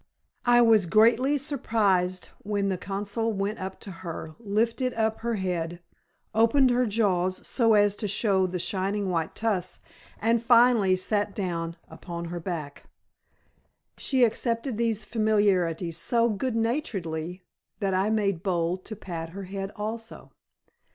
I was greatly surprised when the consul went up to her, lifted up her head, opened her jaws so as to show the shining white tusks, and finally sat down upon her hack. She accepted these familiarities so good naturedly that I made bold to pat her head also.